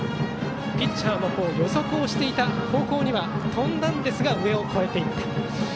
ピッチャーも予測をした方向には飛んだんですが上を越えていった。